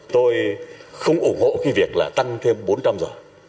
tôi không ủng hộ cái việc là tăng thêm bốn trăm linh giờ